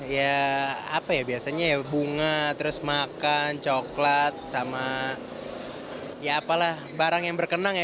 ya apa ya biasanya ya bunga terus makan coklat sama ya apalah barang yang berkenang ya